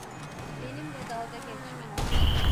Benimle dalga geçme.